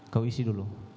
kau isi dulu